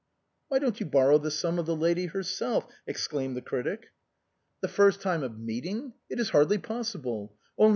" Why don't you borrow the sum of the lady herself ?" exclaimed the critic. " The first time of meeting, it is hardly possible.